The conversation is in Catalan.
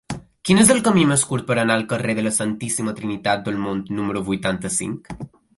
Quin és el camí més curt per anar al carrer de la Santíssima Trinitat del Mont número vuitanta-cinc?